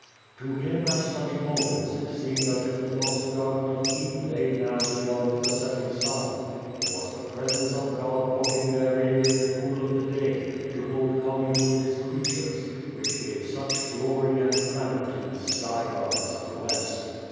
"To him, at such moments, it seemed as if the lost Garden of Eden lay now beyond the setting sun. It was the Presence of God walking therein in the cool of the day, to hold commune with His creatures, which gave such glory and glamour to those sky gardens of the west.